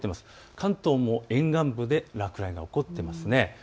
関東も沿岸部で落雷が起こっていますね。